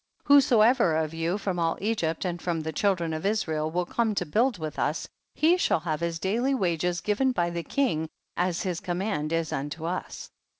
19. Whosoever of you from all Egypt and from the children of Israel will come to build with us, he shall have his daily wages given by the king, as his command is unto us.